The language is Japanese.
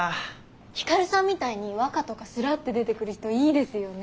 光さんみたいに和歌とかスラッと出てくる人いいですよね。